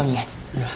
いや。